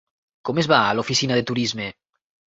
Com es va a l'Oficina de turisme?